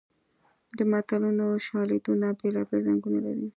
د متلونو شالیدونه بېلابېل رنګونه لري